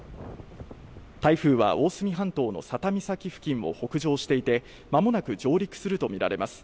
台風は大隅半島の佐多岬付近を北上していて、間もなく上陸するとみられます。